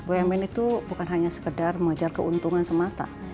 bumn itu bukan hanya sekedar mengejar keuntungan semata